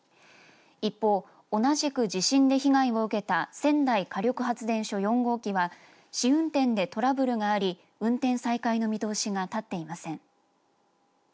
一方、同じく地震で被害を受けた仙台火力発電所４号機は試運転でトラブルがあり運転再開の見通しが立っていません。